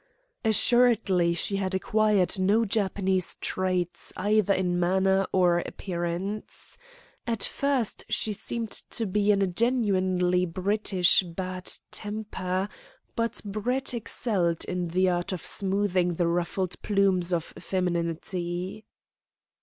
Assuredly she had acquired no Japanese traits either in manner or appearance. At first she seemed to be in a genuinely British bad temper, but Brett excelled in the art of smoothing the ruffled plumes of femininity.